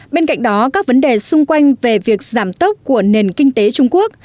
bên cạnh đó các vấn đề xung quanh về việc giảm tốc của nền kinh tế trung quốc